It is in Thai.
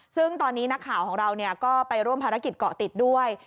ซึ่งตอนนี้นักข่าวของเราก็ไปร่วมภารกิจเกาะติดด้วย